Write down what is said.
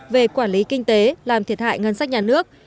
về quản lý kinh tế làm thiệt hại ngân sách nhà nước